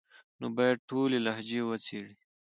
نو بايد ټولي لهجې وڅېړي،